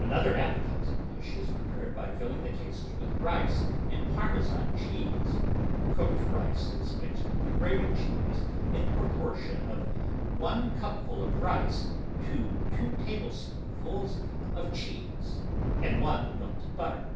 Another appetising dish is prepared by filling the cases with rice and Parmesan cheese; cooked rice is mixed with the grated cheese in the propor tion of one cupful of rice to two tablespoonfuls of cheese and one of melted butter.